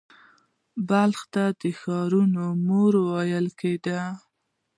بلخ ته د ښارونو مور ویل کیده